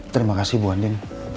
terima kasih bu andin